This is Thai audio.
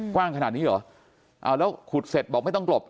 กว้างขนาดนี้เหรอเอาแล้วขุดเสร็จบอกไม่ต้องหลบ